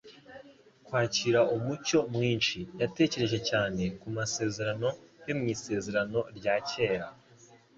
kwakira umucyo mwinshi. Yatekereje cyane ku masezerano yo mu Isezerano rya Kera,